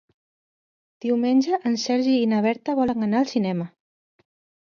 Diumenge en Sergi i na Berta volen anar al cinema.